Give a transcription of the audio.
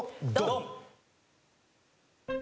ドン！